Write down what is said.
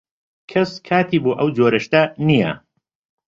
کەس کاتی بۆ ئەو جۆرە شتە نییە.